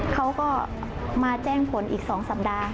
เขาก็มาแจ้งผลอีก๒สัปดาห์